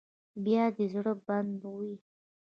بیا دې زړه بدې وي.